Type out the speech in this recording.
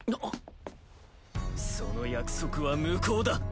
その約束は無効だ。